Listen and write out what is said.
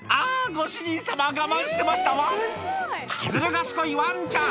あー、ご主人様、我慢してましたわん。